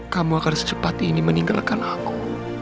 kamu akan secepat ini meninggalkan aku